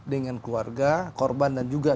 dengan keluarga korban dan juga